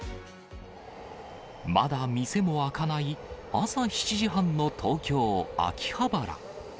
まだ店も開かない朝７時半の東京・秋葉原。